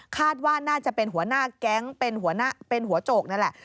คาดว่าน่าจะเป็นหัวหน้าแก๊งเป็นหัวโจกนั่นแหละ